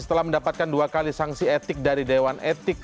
setelah mendapatkan dua kali sanksi etik dari dewan etik